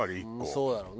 そうだろうね。